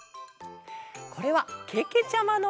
これはけけちゃまのえ。